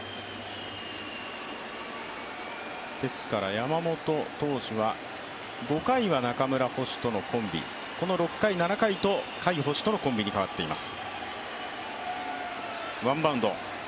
山本投手は５回は中村捕手とのコンビ、この６回、７回と甲斐捕手とのコンビに変わっています。